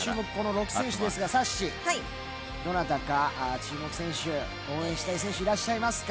６選手ですがさっしー、どなたか注目選手、応援したい選手いますか？